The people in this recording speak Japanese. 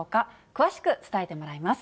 詳しく伝えてもらいます。